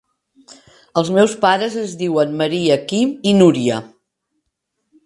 Els meus pares es diuen Maria, Quim i Núria.